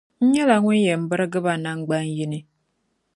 N nyɛla ŋun yɛn birigi ba namgbaniyini.